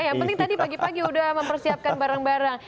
yang penting tadi pagi pagi udah mempersiapkan barang barang